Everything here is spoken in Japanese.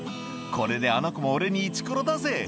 これであの子も俺にイチコロだぜ」